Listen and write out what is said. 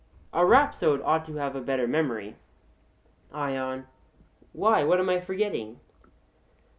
A rhapsode ought to have a better memory. ION: Why, what am I forgetting?